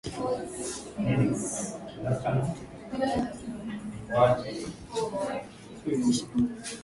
mbawa kavu fukusi na vipepeo ni aina ya wadudu wanaoshambulia viazi lishe